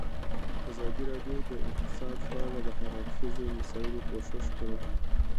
ازادي راډیو د اقتصاد په اړه د هر اړخیزو مسایلو پوښښ کړی.